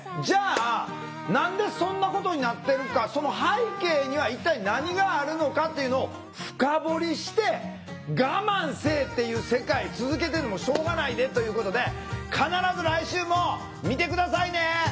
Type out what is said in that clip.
じゃあ何でそんなことになってるかその背景には一体何があるのかっていうのを深掘りして我慢せえっていう世界続けててもしょうがないでということで必ず来週も見て下さいね。